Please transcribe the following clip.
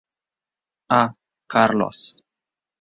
A. Carlos.